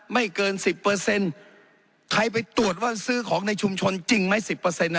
ไม่เกินสิบเปอร์เซ็นต์ใครไปตรวจว่าซื้อของในชุมชนจริงไหมสิบเปอร์เซ็นต์